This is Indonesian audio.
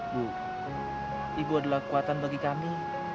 bu ibu adalah kekuatan bagi kami